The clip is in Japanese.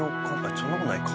そんな事ないか。